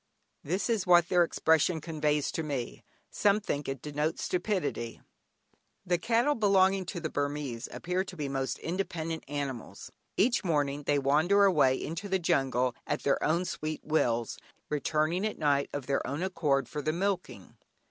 This is what their expression conveys to me; some think it denotes stupidity. The cattle belonging to the Burmese appear to be most independent animals. Each morning they wander away into the jungle at their own sweet wills, returning at night of their own accord for the milking.